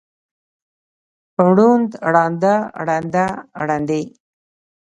ړوند، ړانده، ړنده، ړندې.